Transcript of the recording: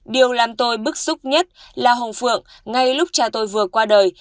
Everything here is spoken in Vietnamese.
điều làm tôi bức xúc nhất là hồng phượng ngay lúc cha tôi vừa qua đời